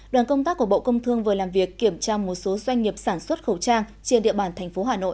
đoàn công tác của bộ công thương vừa làm việc kiểm tra một số doanh nghiệp sản xuất khẩu trang trên địa bàn tp hà nội